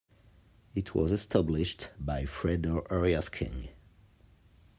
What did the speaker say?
It was established by Fredo Arias-King.